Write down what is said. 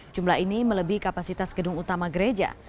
jumlah ini melebihi kapasitas gedung utama gereja